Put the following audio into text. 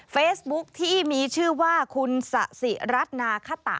เฟซบุ๊คที่มีชื่อว่าคุณสะสิรัฐนาคตะ